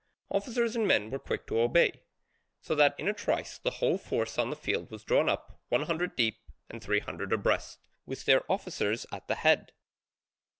Officers and men were quick to obey; so that in a trice the whole force on the field was drawn up, one hundred deep and three hundred abreast, with their officers at the head.